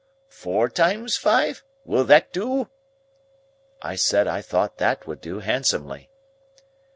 Four times five; will that do?" I said I thought that would do handsomely.